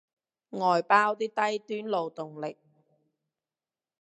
外包啲低端勞動力